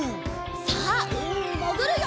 さあうみにもぐるよ！